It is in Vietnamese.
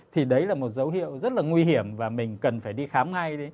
thì đấy là một dấu hiệu rất là nguy hiểm và mình cần phải đi khám ngay đấy